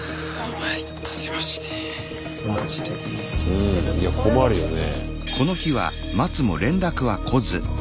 うんいや困るよね。